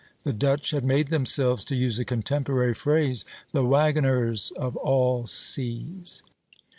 The Dutch had made themselves, to use a contemporary phrase, the wagoners of all seas."